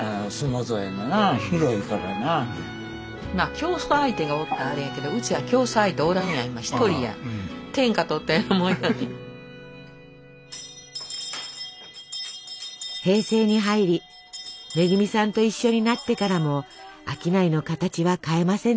競争相手がおったらあれやけど平成に入り恵さんと一緒になってからも商いの形は変えませんでした。